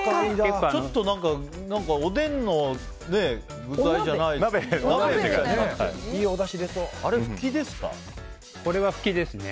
ちょっとおでんの具材じゃないですよね。